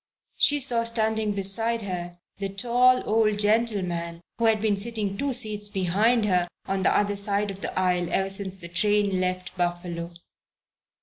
She saw standing beside her the tall old gentleman who had been sitting two seats behind on the other side of the aisle ever since the train left Buffalo.